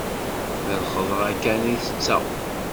D lxeḍra kan i tetteɣ.